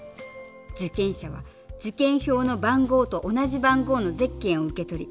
受験者は受験票の番号と同じ番号のゼッケンを受け取り